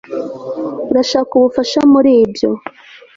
urashaka ubufasha muri ibyo